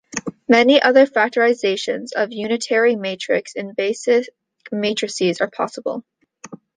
Many other factorizations of a unitary matrix in basic matrices are possible.